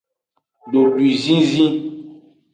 Dodwizizi.